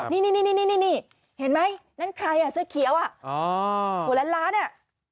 นี่นี่เห็นไหมนั่นใครอ่ะเสื้อเขี้ยวอ่ะโหลดล้านล้านเนี่ย